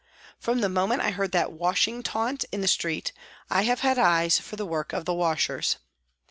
From the moment I heard that " washing " taunt in the street, I have had eyes for the work of the washers.